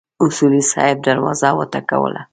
اصولي صیب دروازه وټکوله.